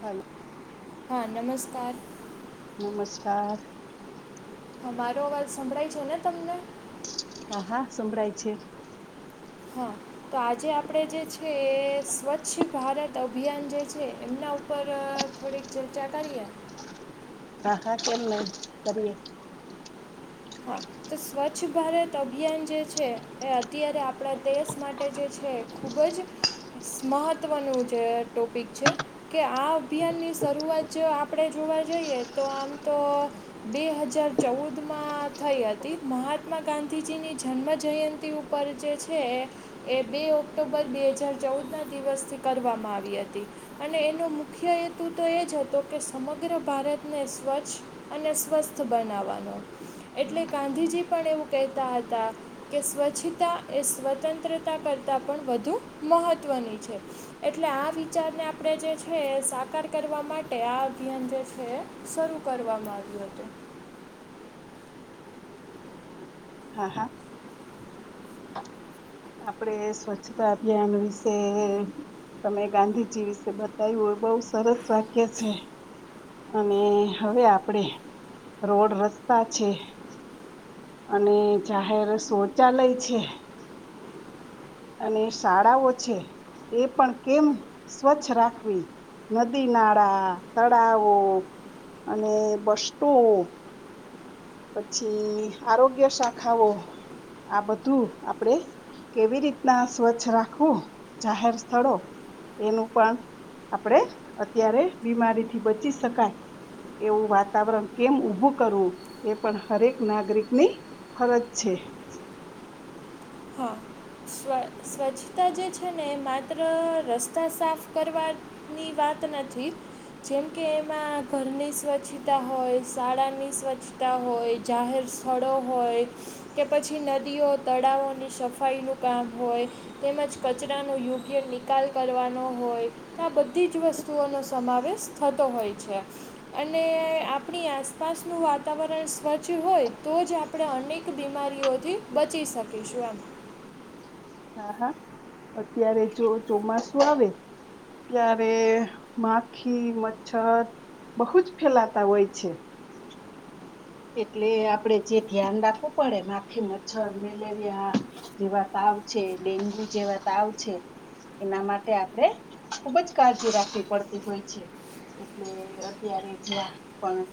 હેલ હા નમસ્કાર. નમસ્કાર. મારો અવાજ સંભળાય છે ને તમને. હા હા સંભળાય છે. હા. તો આજે આપણે જે છે એ સ્વચ્છ ભારત અભિયાન જે છે એમના ઉપર થોડીક ચર્ચા કરીએ. હા હા કેમ નહી કરીએ. હા. તો સ્વચ્છ ભારત અભિયાન જે છે એ અત્યારે આપણા દેશ માટે જે છે ખૂબજ મહત્ત્વનું જે ટોપિક છે. કે આ અભિયાનની શરૂઆત જો આપણેે જોવા જઈએ તો આમ તો બે હજાર ચૌદમા થઈ હતી, મહાત્મા ગાંધીજીની જન્મજયંતિ ઉપર જે છે એ એ બે ઓક્ટોબર બે હજાર ચૌદ ના દિવસથી કરવામાં આવી હતી. અને એનો મુખ્ય હેતુ તો એ જ હતો કે સમગ્ર ભારતને સ્વચ્છ અને સ્વસ્થ બનાવવાનો. એટલે ગાંધીજી પણ એવું કહેતા હતા. કે સ્વચ્છતા એ સ્વતંત્રતા કરતાં પણ વધુ મહત્ત્વની છે. એટલે આ વિચારને આપણે જે છે સાકાર કરવા માટે આ અભિયાન છે. શરૂ કરવામાં આવ્યું હતું. હા, હા. આપણે સ્વચ્છતા અભિયાન વિશે તમે ગાંધીજી વિશે બતાવ્યું, એ બહુ સરસ વાક્ય છે. અને હવે આપણે રોડ રસ્તા છે. અને જાહેર શૌચાલય છે. અને શાળાઓ છે એ પણ કેમ સ્વચ્છ રાખવી નદી-નાળા, તળાવો અને [unintelligible] પછી આરોગ્ય શાખાઓ આ બધું આપણે કેવી રીતના સ્વચ્છ રાખવું જાહેર સ્થળો એનું પણ આપણેે અત્યારે બીમારીથી બચી શકાય એવું વાતાવરણ કેમ ઊભું કરવું એ પણ હરેક નાગરિકની ફરજ છે. હા. સ્વ સ્વચ્છતા જે છે ને એ માત્ર રસ્તા સાફ કરવા ની વાત નથી. જેમ કે એમાં ઘરની સ્વચ્છતા હોય, શાળાની સ્વચ્છતા હોય જાહેર સ્થળો હોય, કે પછી નદીઓ, તળાવોની સફાઈનું કામ હોય, તેમજ કચરાનો યોગ્ય નિકાલ કરવાનો હોય આ બધી જ વસ્તુઓનો સમાવેશ થતો હોય છે. અને આપણી આસપાસનું વાતાવરણ સ્વચ્છ હોય તો જ આપ પણે અનેક બીમારીઓથી બચી શકીશું એમ. હા, હા. અત્યારે જો ચોમાસું આવે ત્યારે માખી, મચ્છર બહુ જ ફેલાતા હોય છે. એટલે આપણેે જે ધ્યાન રાખવું પડે માખી, મચ્છર, મેલેરિયા જેવા તાવ છે, ડેન્ગ્યુ જેવા તાવ છે એના માટે આપણે ખુબ જ કાળજી રાખવી પડતી હોય છે. એટલે અત્યારે જ્યાં પણ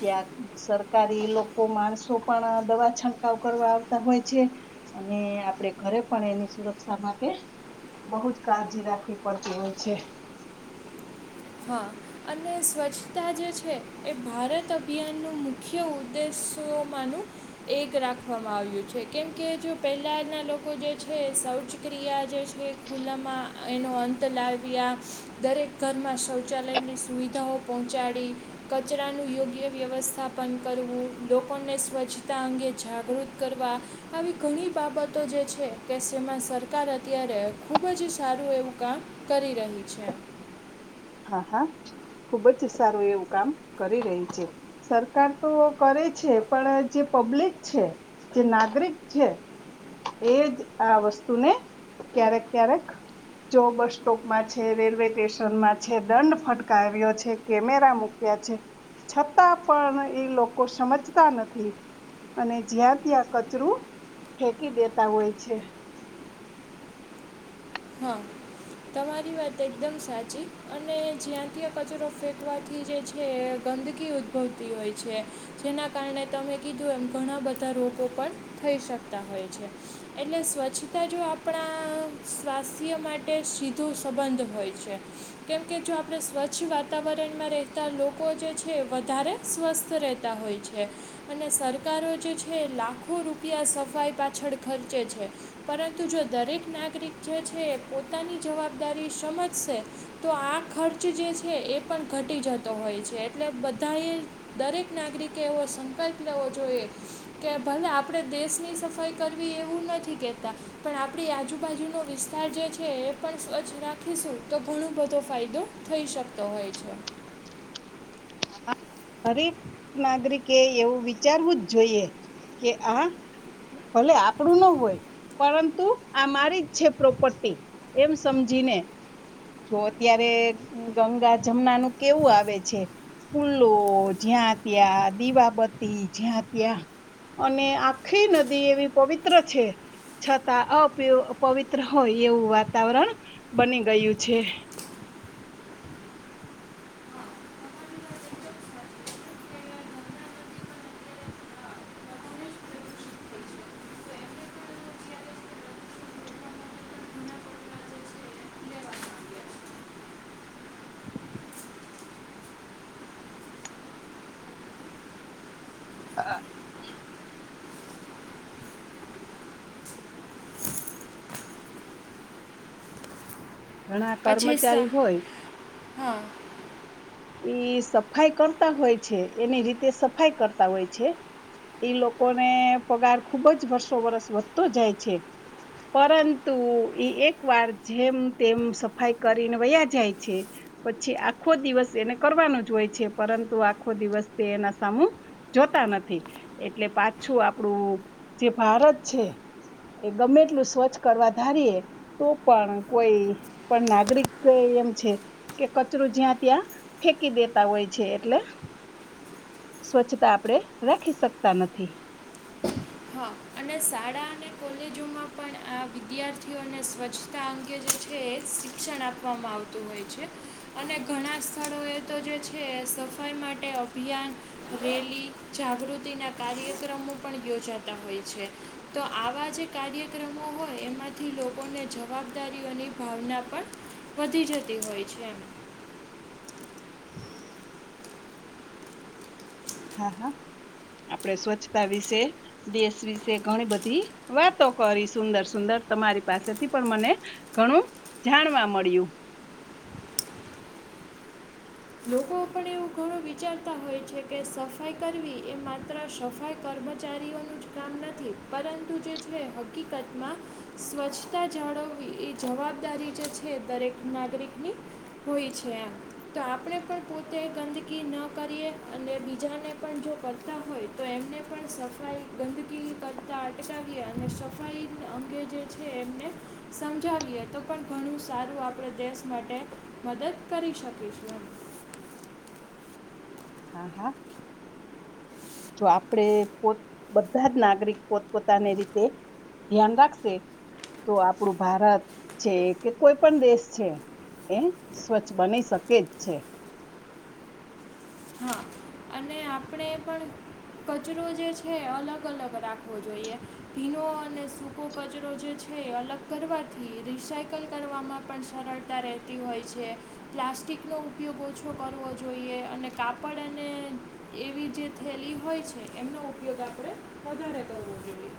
ત્યાં સર કારી ઈ લોકો માણસો પણ દવા છંટકાવ કરવા આવતા હોય છે. અને આપણે ઘરે પણ એની સુરક્ષા માટે બહુ જ કાળજી રાખવી પડતી હોય છે. હા. અને સ્વચ્છતા જે છે એ ભારત અભિયાનનું મુખ્ય ઉદ્દેશોમાંનું એક રાખવામાં આવ્યું છે. કેમ કે જો પહેલાના લોકો જે છે, એ શૌચક્રિયા જે છે ખુલ્લામાં એનો અંત લાવ્યા, દરેક ઘરમાં શૌ ચાલયની સુવિધાઓ પહોંચાડી. કચરાનું યોગ્ય વ્યવસ્થાપન કરવું, લોકોને સ્વચ્છતા અંગે જાગૃત કરવા આવી ઘણી બાબતો જે છે કે શેમાં સરકાર અત્યારે ખૂબ જ સારું એવું કામ કરી રહી છે એમ. હા, હા. ખુબ જ સારું એવું કામ કરી રહી છે. સરકાર તો કરે છે, પણ જે પબ્લિક છે જે નાગરિક છે એ જ આ વસ્તુને ક્યારેક-કયારેક જો બસ-સ્ટોપમાં છે, રેલવે સ્ટેશનમાં છે, દંડ ફટકાવ્યો છે, કેમેરા મૂક્યા છે છતાં પણ ઈ લોકો સમજતા નથી. અને જ્યાં-ત્યાં કચરું ફેકી દેતા હોય છે. હા. તમારી વાત એકદમ સાચી અને જ્યાં-ત્યં કચરો ફેંકવાથી જે કે ગંદકી ઉદ્ભવતી હોય છે. જેના કારણે તમે કીધું એમ, ઘણા બધા રોગો પણ થઈ શકતા હોય છે. એટલે સ્વચ્છતા જો આપણા સ્વાસ્થ્ય માટે શીધું સંબંધ હોય છે. કેમ કે જો આપણે સ્વચ્છ વાતાવરણમાં રહેતા લોકો જે છે, વધારે સ્વસ્થ રે હેતા હોય છે. અને સરકારો જે છે, લાખો રૂપિયા સફાઈ પાછળ ખર્ચે છે. પરંતુ જો દરેક નાગરિક જ છે, એ પોતાની જવાબદારી શમજસે. તો આ ખર્જ જે છે, એ પણ ઘટી જતો હોય છે એટલે બધા એ દરેક નાગરિકે એવો સંકલ્પ લેવો જોયે. કે ભલે આપણેે દેશની સફાઈ કરવી એવું નથી કેતા, પણ આપણી આજુ-બાજુ ઓ વિસ્તાર જે છે એ પણ સ્વચ્છ રાખીશું, તો ઘણો બધો ફાયદો થઈ શકતો હોય છે. હરેક, નાગરિકે એવું વિચારવું જ જોઈએ કે આ ભલે, આપડું ન હોય. પરંતુ આ મારી જ છે પ્રોપર્ટી, એમ સમજીને. જો અત્યારે ગંગા-ઝમનાનું કેવું આવે છે. લો જ્યાં ત્યાં દીવાબત્તી જ્યાં ત્યાં અને આખી નદી એવી પવિત્ર છે. છતાં અપ્રિયુ પવિત્ર હોય, એવું વાતાવરણ બની ગયું છે. લેવામાં આવ્યા છે અ ઘણા પછી સા કર્મચારી હોય. હા. ઇ સફાઈ કરતા હોય છે, એની રીતે સફાઈ કરતા હોય છે. ઈ લોકોને પગાર ખુબ જ વર્ષો વરસ વધતો જાય છે. પરંતુ એ એક વાર જેમ-તેમ સફાઈ કરીને વયા જાય છે. પછી આખો દિવસ એને કરવાનું જ હોય છે પરંતુ આખો દિવસ તે એના સામું જોતા નથી એટલે પાછું આપણું જે ભારત છે. ગમે એટલું સ્વચ્છ કરવા ધારીએ તો પણ કોઈ પણ નાગરિક એમ છે કે, કચરો જ્યાં ત્યાં ફેકી દેતા હોય છે એટલે સ્વચ્છતા આપડે રાખી શકતા નથી. [inaudible] હા અને શાળા અને કોલેજોમાં પણ આ વિદ્યાર્થીઓને સ્વચ્છ તા અંગે જે છે, એ શિક્ષણ આપવામાં આવતું હોય છે. અને ઘણા સ્થળોએ તો જે છે, એ ફાઈ માટે અભિયાન રેલી, જાગૃતિના કાર્યક્રમો પણ યોજાતા હોય છે. તો આવા જે કાર્યક્રમો હોય, એમાંથી લોકોને જવાબદારીઓની ભાવના પણ વધી જતી હોય છે. હા, હા. આપડે સ્વચ્છતા વિશે દેસ વિસે ઘણી બધી વાતો કરી સુંદર-સુંદર, તમારી પાસેથી પણ મને ઘણું જાણવા મળ્યું. લોકો પણ એવું ઘણું વિચારતા હોય છે કે સફાઈ કરવી એ માત્ર સફાઈ કર્મચારીઓનું કામ નથી પરંતુ જે છે હકીકતમાં સ્વચ્છતા જાળવવી એ જવાબદારી જે છે, દરેક નાગરિકની હોય છે એમ. તો આપણે પણ પોતે ગંદકી ન કરીએ અને બીજાને પણ જો કરતા હોય તો એમને પણ સ ફાઈ ગંદકી કરતા અટકાવીએ અને સફાઈ અંગે જે છે એમને સમજાવીએ તો પણ ઘણું સારું આપણે દેશ માટે મદદ કરી શકીશું. એમ હા હા. જો આપડે પોત બધા જ નાગરિક પોતપોતાની રીતે ધ્યાન રાખશે તો આપડું ભારત છે કે કોઈ પણ દેશ છે એ સ્વચ્છ બની શકે જ છે. હા અને આપણે પણ કચરો જે છે અલગ-અલગ રાખવો જોઈએ. ભીનો અને સૂકો કચરો જે છે અલગ કરવાથી રિસાયકલ કરવાવામાં પણ સરળતા રહેતી હોય છે. પ્લાસ્ટિકનો ઉપયોગ ઓછો કરવો જોઈએ અને કાપડ અ ને એવી જે થેલી હોય છે. એમનો ઉપયોગ આપડે વધારે કરવો જોઈએ.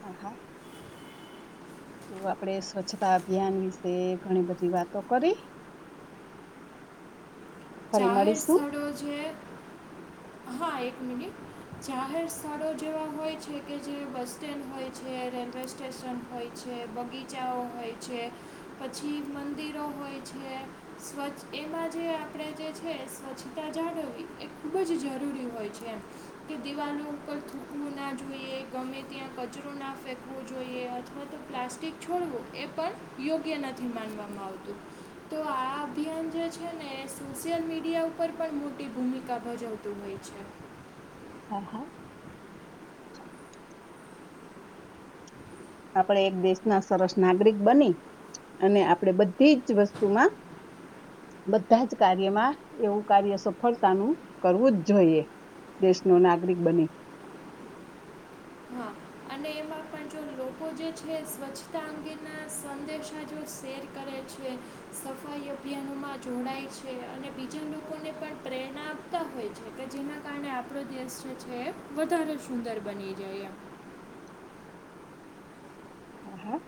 હા હા. તો આપડે સ્વચ્છતા અભિયાન વિશે ઘણી બધી વાતો કરી. ફરી જાહેર મળીશું સ્થળો છે. હા, એક મિનિટ જાહેર સ્થળો જેવા હોય છે કે જે બસ સ્ટેન્ડ હોય છે, રેલવે સ્ટેશન હોય છે, બગીચાઓ હોય છે પછી મંદિરો હોય છે. સ્વચ્છ એમાં જે આપણેે જે છે સ્વચ્છતા જાળવી ખૂબ જ જરૂરી હોય છે એમ. કે દિવાલો ઉપર થૂકવું ના જોઈએ, ગમે ત્યાં કચરો ના ફેંકવો જોઈએ અથવા તો પ્લાસ્ટિક છોડવું એ પણ યોગ્ય નથી માનવામાં આવતું. તો આ અભિયાન જે છે ને એ સોશિયલ મીડિયા ઉપર પણ મોટી ભૂમિકા ભજવતું હોય છે. હા હા. આપણે એક દેશના સરસ નાગરિક બની અને આપડે બધી જ વસ્તુમાં બધા જ કાર્યમાં એવુ કાર્ય સફળતાનું કરવું જ જોઈએ. દેશનો નાગરિક બની. હા અને એમાં પણ જો લોકો જે છે સ્વચ્છતા અંગેના સંદેશા જો શેર કરે છે, સફાઈ અભિયાનોમાં જોડાય છે અને બીજા લોકોને પણ પ્રેરણા આપતા હોય છે. કે જેના કારણે આપણો દેશ જે છે એ વધારે સુંદર બની જાય એમ. હા, હા.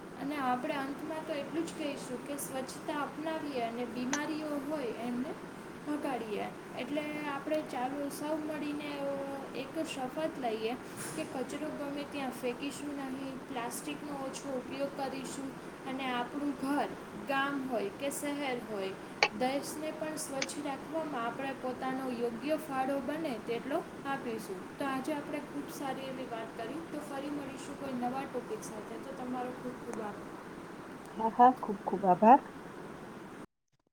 એમ અને આપણે અંતમાં તો એટલું જ કહીશું કે સ્વચ્છતા અપનાવીએ અને બીમારીઓ હોય એમને ભગાડીએ એટલે આપણે ચાલો સૌ મળીને એ એક શપથ લઈએ કે કચરો ગમે ત્યાં ફેંકીશું નહીં, પ્લાસ્ટિકનો ઓછો ઉપયોગ કરીશું અને આપણું ઘર ગામ હોય કે શહેર હોય દેશને પણ સ્વચ્છ રાખવામાં આપણે પોતાનો યોગ્ય ફાળો બને તેટલો આપીશું. તો આજે આપણે ખૂબ સારી એવી વાત કરી. તો ફરી મળીશું કોઈ નવા ટોપિક સાથે. તો તમારો ખૂબ ખૂબ આભાર. હા, હા. ખુબ ખુબ આભાર.